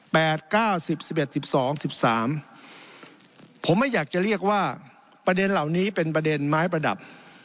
เก้าสิบสิบเอ็ดสิบสองสิบสามผมไม่อยากจะเรียกว่าประเด็นเหล่านี้เป็นประเด็นไม้ประดับ